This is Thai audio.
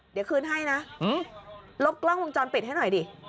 เดี๋ยวคืนให้นะลบกล้องวงจรปิดให้หน่อยดิ